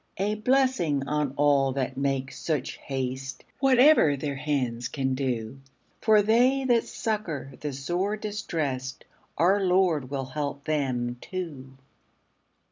A blessing on all that make such haste, Whatever their hands can do! For they that succour the sore distressed, Our Lord will help them too.